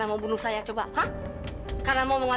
ah ismi si opi kemana